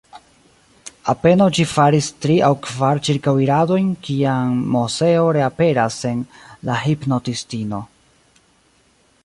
Apenaŭ ĝi faris tri aŭ kvar ĉirkaŭiradojn, kiam Moseo reaperas sen la hipnotistino.